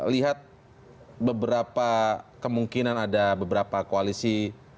lihat beberapa kemungkinan ada beberapa koalisi